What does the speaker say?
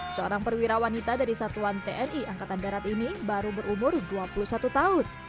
seorang perwira wanita dari satuan tni angkatan darat ini baru berumur dua puluh satu tahun